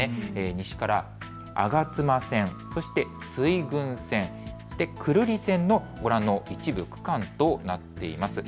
西から吾妻線、水郡線、久留里線のご覧の一部区間となっています。